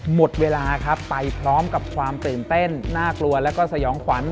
หมดเวลาครับไปพร้อมกับความตื่นเต้นน่ากลัวแล้วก็สยองขวัญ